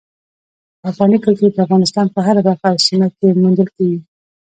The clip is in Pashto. افغاني کلتور د افغانستان په هره برخه او سیمه کې موندل کېدی شي.